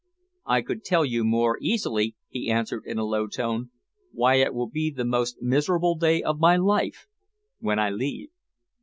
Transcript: "I could tell you more easily," he answered in a low tone, "why it will be the most miserable day of my life when I leave."